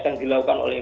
yang dilakukan oleh